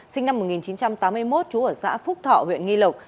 sinh năm một nghìn chín trăm tám mươi một trú ở xã phúc thọ huyện nghi lộc